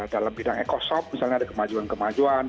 dalam bidang ekosop misalnya ada kemajuan kemajuan